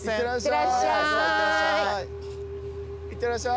いってらっしゃい。